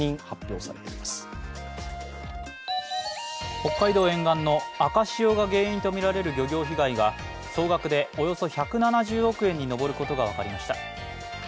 北海道沿岸の赤潮が原因とみられる漁業被害が総額でおよそ１７０億円に上ることが分かりました。